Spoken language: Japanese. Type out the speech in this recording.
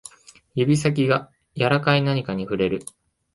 指先が柔らかい何かに触れる